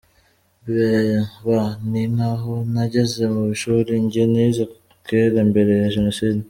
B: Ni nk’aho ntageze mu ishuri, njye nize kera mbere ya Jenoside.